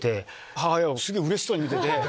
母親すげぇうれしそうに見てて。